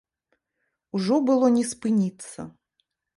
Ужо было не спыніцца.